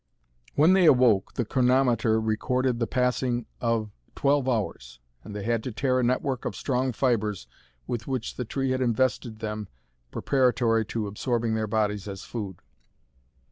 When they awoke the chronometer recorded the passing of twelve hours, and they had to tear a network of strong fibers with which the tree had invested them preparatory to absorbing their bodies as food.